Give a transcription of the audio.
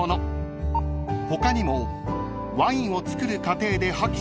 ［他にもワインを作る過程で破棄される